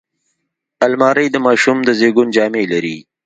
الماري د ماشوم د زیږون جامې لري